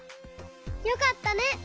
よかったね！